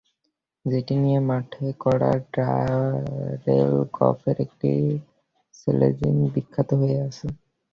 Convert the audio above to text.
যেটি নিয়ে মাঠে করা ড্যারেন গফের একটি স্লেজিং বিখ্যাত হয়ে আছে।